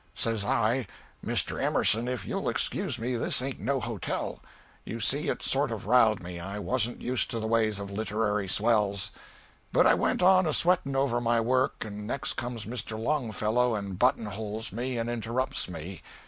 "Says I, 'Mr. Emerson, if you'll excuse me, this ain't no hotel.' You see it sort of riled me I warn't used to the ways of littery swells. But I went on a sweating over my work, and next comes Mr. Longfellow and buttonholes me, and interrupts me.